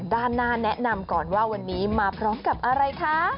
ด้านหน้าแนะนำก่อนว่าวันนี้มาพร้อมกับอะไรคะ